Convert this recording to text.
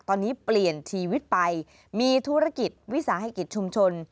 ตอนนี้เปลี่ยนชีวิตไปมีธุรกิจวิสาหกิจชุมชน